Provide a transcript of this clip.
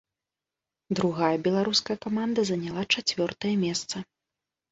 Другая беларуская каманда заняла чацвёртае месца.